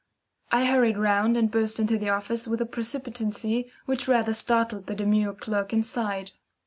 I hurried round and burst into the office with a precipitancy which rather startled the demure clerk inside.